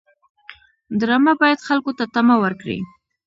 ډرامه باید خلکو ته تمه ورکړي